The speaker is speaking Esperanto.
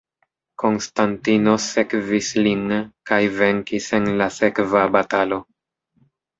Konstantino sekvis lin, kaj venkis en la sekva batalo.